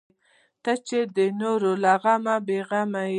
ته چې د نورو له غمه بې غمه یې.